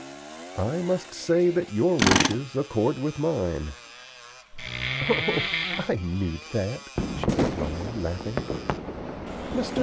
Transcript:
"I must say that your wishes accord with mine." "Oh, I knew that," she replied, laughing. "Mr.